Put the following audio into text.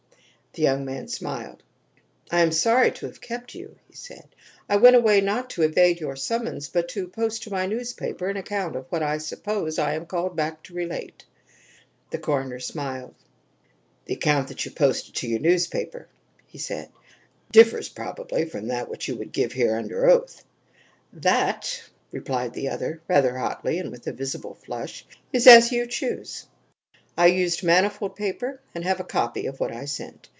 The young man smiled. "I am sorry to have kept you," he said. "I went away, not to evade your summons, but to post to my newspaper an account of what I suppose I am called back to relate." The coroner smiled. "The account that you posted to your newspaper," he said, "differs probably from that which you will give here under oath." "That," replied the other, rather hotly and with a visible flush, "is as you choose. I used manifold paper and have a copy of what I sent.